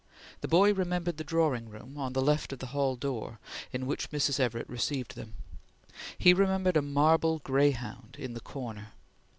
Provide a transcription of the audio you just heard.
The boy remembered the drawing room, on the left of the hall door, in which Mrs. Everett received them. He remembered a marble greyhound in the corner.